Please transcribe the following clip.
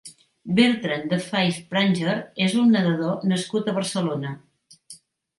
Bertrand de Five Pranger és un nedador nascut a Barcelona.